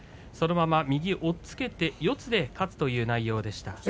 そのまま右を押っつけて四つで勝つという内容でした。